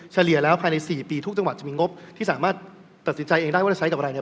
เฉลี่ยแล้วภายใน๔ปีทุกจังหวัดจะมีงบที่สามารถตัดสินใจเองได้ว่าจะใช้กับอะไรเนี่ย